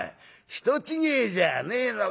人違えじゃねえのかい？』